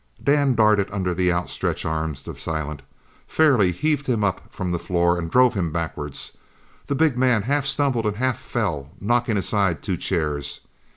Dan darted under the outstretched arms of Silent, fairly heaved him up from the floor and drove him backwards. The big man half stumbled and half fell, knocking aside two chairs.